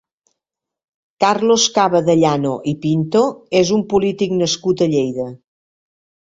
Carlos Cava de Llano i Pinto és un polític nascut a Lleida.